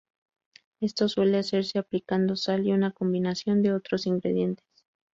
Esto suele hacerse aplicando sal y una combinación de otros ingredientes.